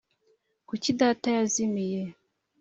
kuki data yazimiye?